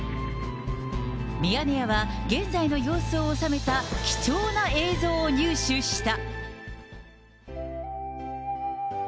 ミヤネ屋は、現在の様子を収めた貴重な映像を入手した。